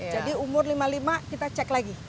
jadi umur lima puluh lima kita cek lagi